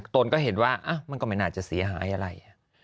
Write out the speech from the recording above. ตนก็เห็นว่ามันก็ไม่น่าจะเสียหายอะไร